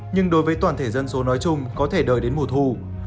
nhưng đối với toàn thể dân số nói chung có thể đời đến mùa thu